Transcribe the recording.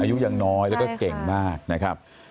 อายุยังน้อยแล้วก็เก่งมาก